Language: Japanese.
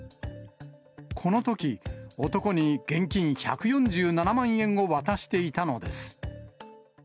このとき、男に現金１４７万円を渡していたのです。